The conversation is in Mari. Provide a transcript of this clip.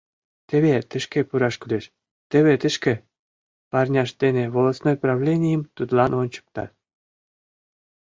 — Теве тышке пураш кӱлеш, теве тышке, — парняшт дене волостной правленийым тудлан ончыктат.